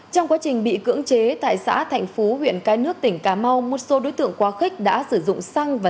trong quá trình bị cưỡng chế tại xã thạnh phú huyện cái nước tỉnh cà mau một số đối tượng quá khích đã sử dụng xăng và